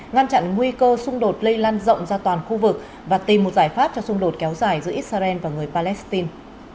ngăn chặn nguy cơ xung đột lây lan rộng ra toàn khu vực và tìm một giải pháp cho xung đột kéo dài giữa israel và người palestine